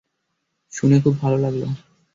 শুনে খুব ভালো লাগল।